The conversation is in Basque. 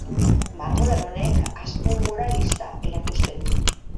Margolan honek asmo moralista erakusten du.